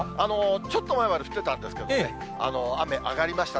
ちょっと前まで降ってたんですけどね、雨上がりましたね。